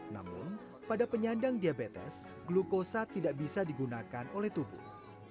namun pada penyandang diabetes glukosa tidak bisa digunakan oleh tubuh